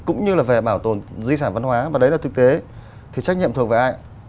cũng như là về bảo tồn di sản văn hóa và đấy là thực tế thì trách nhiệm thuộc về ai